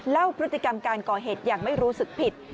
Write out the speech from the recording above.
เล่าพฤติกรรมการก่อเหตุอย่างไม่รู้สึกผิด